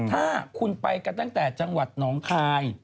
ถ้าคุณไปกันอย่างนั้นแต่จังหวัดนองคาย